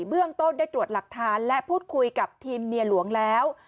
เบื้องต้นได้ตรวจหลักฐานและพูดคุยกับทีมเมียหลวงแล้ว